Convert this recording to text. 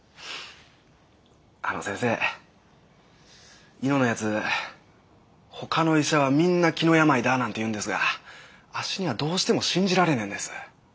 あの先生猪之のやつほかの医者はみんな気の病だなんて言うんですがあっしにはどうしても信じられねえんです。